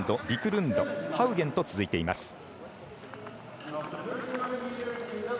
ビクルンドハウゲンと続いています。